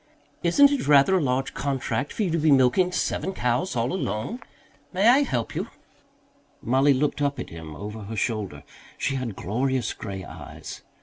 "Isn't it rather a large contract for you to be milking seven cows all alone? May I help you?" Mollie looked up at him over her shoulder. She had glorious grey eyes.